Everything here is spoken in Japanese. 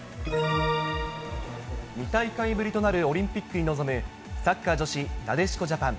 ２大会ぶりとなるオリンピックに臨む、サッカー女子なでしこジャパン。